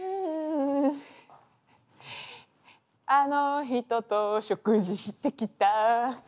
「あの人と食事してきた」